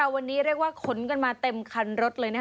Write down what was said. วันนี้เรียกว่าขนกันมาเต็มคันรถเลย